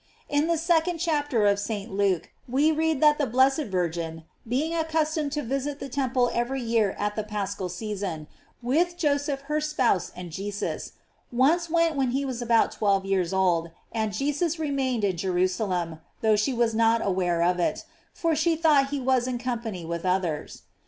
In the second chapter of St. Luke we read that the blessed Virgin, being accustomed to visit the temple every year at the paschal sea son, with Joseph her spouse and Jesus, once went when he was about twelve years old, and Jesus remained in Jerusalem, though she was not aware of it for she thought he was in company with others.